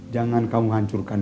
jangan kamu hancurkan